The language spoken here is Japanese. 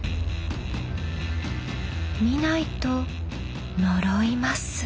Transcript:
見ないと呪います。